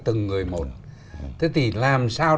từng người một thế thì làm sao